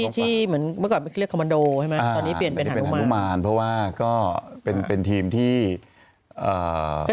ที่เหมือนเมื่อก่อนเรียกว่าคอมมันโด